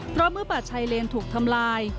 เพราะเมื่อป่าชายเลนถูกทำลาย